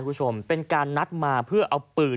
คุณผู้ชมเป็นการนัดมาเพื่อเอาปืน